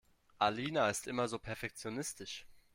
Alina ist immer so perfektionistisch.